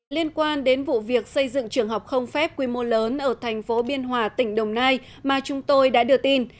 liên quan đến vụ việc xây dựng trường học không phép quy mô lớn ở thành phố biên hòa tỉnh đồng nai mà chúng tôi đã đưa tin